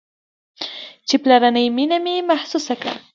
چې پلرنۍ مينه مې محسوسه كړه.